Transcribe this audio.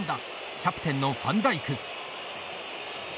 キャプテンのファンダイク。